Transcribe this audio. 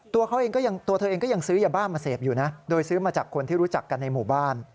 ตัวเธอเองก็ยังซื้อยาบ้ามาเสพอยู่นะโดยซื้อมาจากคนที่รู้จักกันในหมู่บ้าน